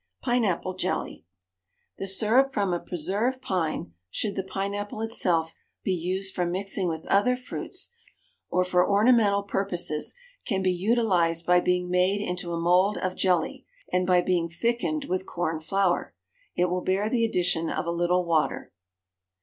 PINE APPLE JELLY. The syrup from a preserved pine, should the pine apple itself be used for mixing with other fruits, or for ornamental purposes, can be utilised by being made into a mould of jelly and by being thickened with corn flour. It will bear the addition of a little water.